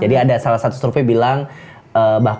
jadi ada salah satu survei bilang bahkan satu dari